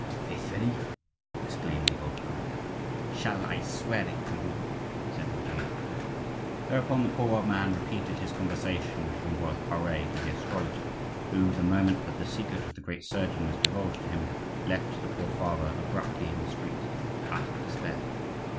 "Faithfully?" exclaimed the old furrier. "Shall I swear it to you?" said Ruggiero. Thereupon the poor old man repeated his conversation with Ambroise Pare to the astrologer, who, the moment that the secret of the great surgeon was divulged to him, left the poor father abruptly in the street in utter despair.